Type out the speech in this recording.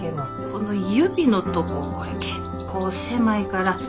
この指のとここれ結構狭いから。